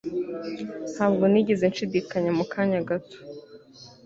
Ntabwo nigeze nshidikanya mu kanya gato